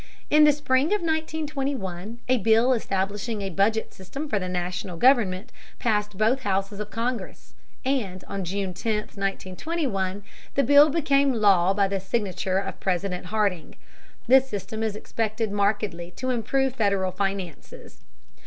In the spring of 1921, a bill establishing a budget system for the National government passed both houses of Congress, and on June 10, 1921, the bill became law by the signature of President Harding. This system is expected markedly to improve Federal finances.